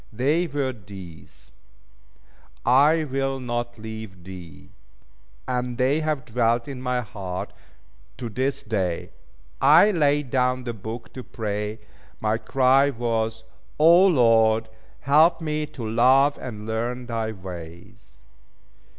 They were these: "I will not leave thee." And they have dwelt in my heart to this day. I laid down the book, to pray. My cry was "O, Lord, help me to love and learn thy ways."